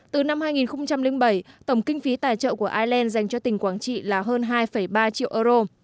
từ năm hai nghìn bảy tổng kinh phí tài trợ của ireland dành cho tỉnh quảng trị là hơn hai ba triệu euro